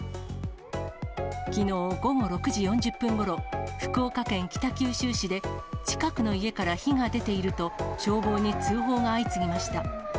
きのう午後６時４０分ごろ、福岡県北九州市で近くの家から火が出ていると消防に通報が相次ぎました。